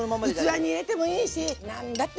器に入れてもいいし何だって平気。